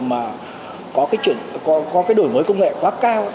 mà có cái đổi mới công nghệ quá cao